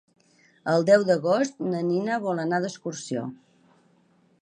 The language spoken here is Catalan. El deu d'agost na Nina vol anar d'excursió.